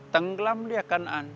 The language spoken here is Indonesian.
tenggelam liya kanaan